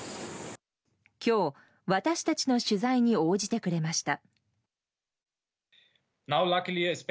今日、私たちの取材に応じてくれました。